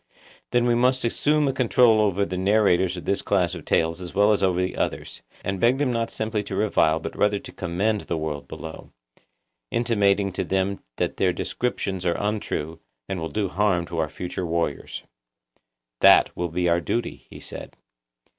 Then we must assume a control over the narrators of this class of tales as well as over the others, and beg them not simply to revile but rather to commend the world below, intimating to them that their descriptions are untrue, and will do harm to our future warriors. That will be our duty, he said.